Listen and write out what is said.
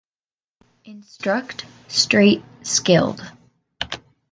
Instruct, straight, skilled